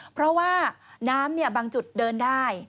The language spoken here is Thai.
เพราะว่าน้ำบางจุดเดินได้